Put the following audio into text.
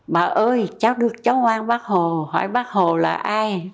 mà ơi cháu được cháu quang bác hồ hỏi bác hồ là ai